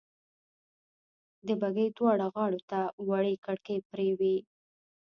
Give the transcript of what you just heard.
د بګۍ دواړو غاړو ته وړې کړکۍ پرې وې.